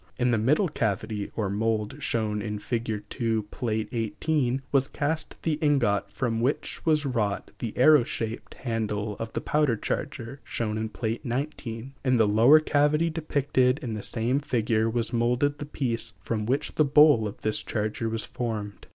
In the middle cavity or mould shown in Fig. 2, Pl. XVIII, was cast the ingot from which was wrought the arrow shaped handle of the powder charger shown in Pl. XIX; in the lower cavity depicted in the same figure was moulded the piece from which the bowl of this charger was formed.